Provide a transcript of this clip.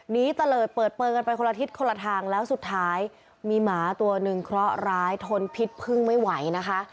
ตะเลิศเปิดเปลือกันไปคนละทิศคนละทางแล้วสุดท้ายมีหมาตัวหนึ่งเคราะหร้ายทนพิษพึ่งไม่ไหวนะคะ